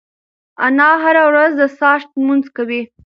انا هره ورځ د څاښت لمونځ کوي.